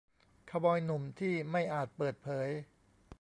คาวบอยหนุ่มที่ไม่อาจเปิดเผย